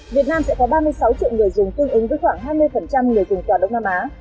việt nam sẽ có ba mươi sáu triệu người dùng tương ứng với khoảng hai mươi người dùng tòa đông nam á